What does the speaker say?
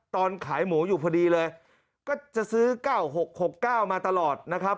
ตอนขายหมูอยู่พอดีเลยก็จะซื้อ๙๖๖๙มาตลอดนะครับ